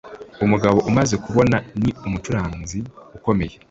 Umugabo umaze kubona ni umucuranzi ukomeye